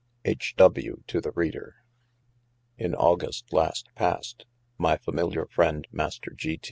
H. W. to the Reader. IN August last passed my familiar friend Master G.